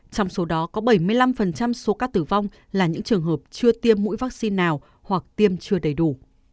trong số đó có bảy mươi năm số ca tử vong là những trường hợp chưa tiêm mũi vaccine nào hoặc tiêm chưa đầy đủ